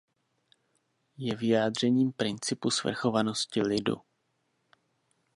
Je vyjádřením principu svrchovanosti lidu.